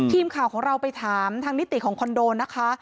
ทีมข่าวของเราไปถามทางนิติของคอนโดนะคะ